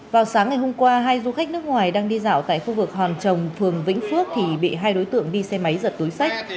vào sáng ngày hôm qua hai du khách nước ngoài đang đi dạo tại khu vực hòn trồng phường vĩnh phước thì bị hai đối tượng đi xe máy giật túi sách